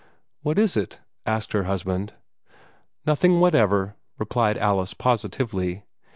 "What is it?" asked her husband. "Nothing whatever," replied Alice, positively.